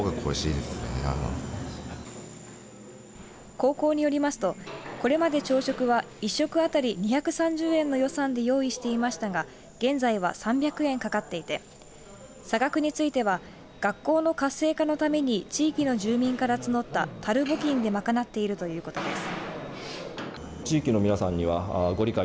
高校によりますとこれまで朝食は１食当たり２３０円の予算で用意していましたが現在は３００円かかっていて差額については学校の活性化のために地域の住民から募ったたる募金で賄っているということです。